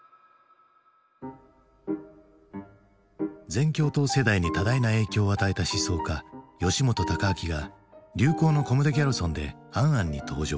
全共闘世代に多大な影響を与えた思想家吉本隆明が流行のコムデギャルソンで「ａｎ・ａｎ」に登場。